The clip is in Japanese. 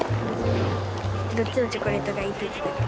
どっちのチョコレートがいいって言ってた？